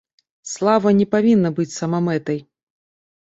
Слава не павінна быць самамэтай.